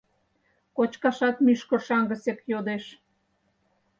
Кочкашат мӱшкыр шаҥгысек йодеш.